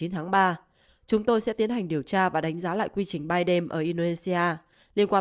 tháng ba chúng tôi sẽ tiến hành điều tra và đánh giá lại quy trình biden ở indonesia liên quan